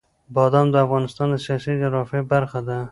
بادام د افغانستان د سیاسي جغرافیه برخه ده.